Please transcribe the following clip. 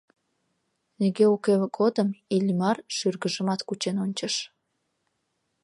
Нигӧ уке годым Иллимар шӱргыжымат кучен ончыш.